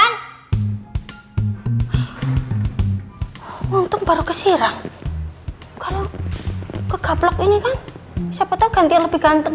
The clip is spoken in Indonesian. ngantuk baru keserang kalau ke gablok ini kan siapa tahu ganti yang lebih ganteng